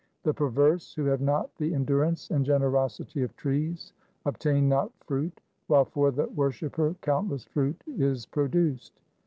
The perverse who have not the endurance and generosity of trees, obtain not fruit, while for the worshipper countless fruit is produced.